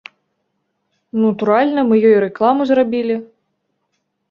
Натуральна, мы ёй рэкламу зрабілі.